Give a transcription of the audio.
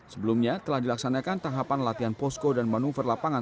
sebelumnya telah dilaksanakan tahapan latihan posko dan manuver lapangan